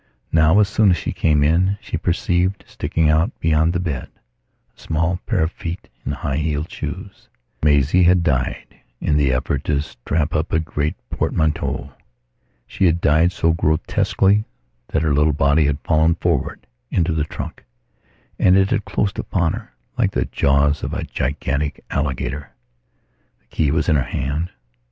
Now, as soon as she came in, she perceived, sticking out beyond the bed, a small pair of feet in high heeled shoes. Maisie had died in the effort to strap up a great portmanteau. She had died so grotesquely that her little body had fallen forward into the trunk, and it had closed upon her, like the jaws of a gigantic alligator. The key was in her hand.